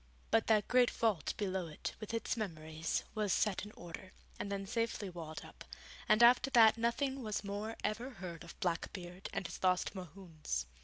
But that great vault below it, with its memories, was set in order, and then safely walled up, and after that nothing was more ever heard of Blackbeard and his lost Mohunes.